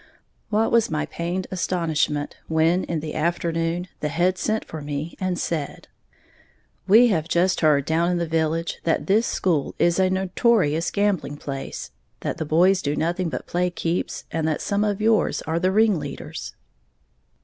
What was my pained astonishment when, in the afternoon, the heads sent for me and said, "We have just heard down in the village that this school is a notorious gambling place; that the boys do nothing but play keeps; and that some of yours are the ringleaders."